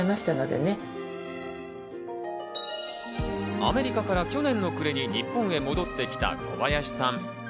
アメリカから去年の暮れに日本へ戻ってきた小林さん。